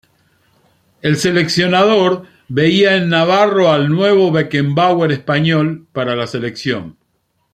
El seleccionador veía en el navarro al "nuevo Beckenbauer español" para la selección.